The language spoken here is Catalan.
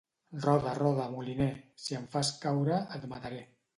Roda, roda, moliner. Si em fas caure, et mataré.